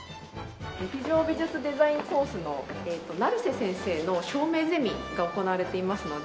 劇場美術デザインコースの成瀬先生の照明ゼミが行われていますので。